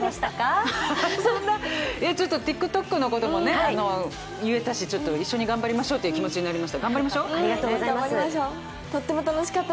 ＴｉｋＴｏｋのことも言えたし、一緒に頑張りましょうという気持ちになりました。